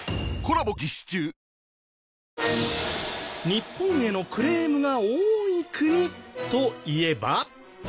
日本へのクレームが多い国といえば。